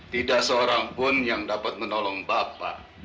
tidak seorang pun yang dapat menolong bapak